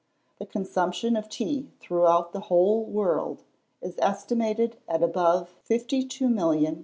The consumption of tea throughout the whole world is estimated at above 52,000,000 lbs.